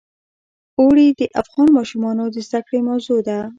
اوړي د افغان ماشومانو د زده کړې موضوع ده.